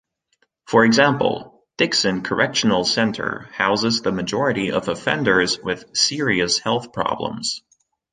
For example, Dixon Correctional Center houses the majority of offenders with serious health problems.